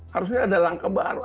harusnya ada langkah baru